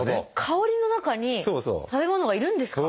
香りの中に食べ物がいるんですか？